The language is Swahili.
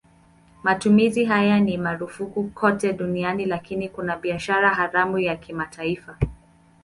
Matumizi haya ni marufuku kote duniani lakini kuna biashara haramu ya kimataifa.